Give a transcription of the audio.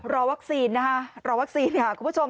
รอวัคซีนนะคะรอวัคซีนค่ะคุณผู้ชม